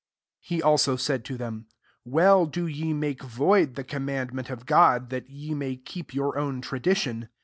9 He said a/ao to them, «*Well do ye make void the commandment of God) that ye may keep your own tradition.